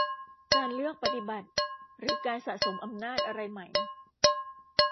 การเลือกปฏิบัติ หรือการสะสมอำนาจอะไรไหม